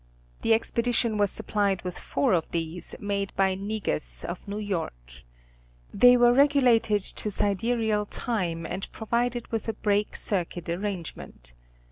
The expedition was supplied with four of these made by Negus of New York. They were regulated to sidereal time, and provided with a break circuit arrangement.